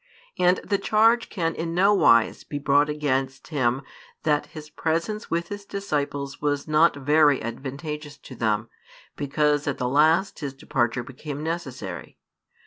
And the charge can in nowise be brought against Him that His presence with His disciples was not very advantageous to them, because at the last His departure became necessary.